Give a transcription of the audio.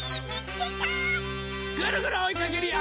ぐるぐるおいかけるよ！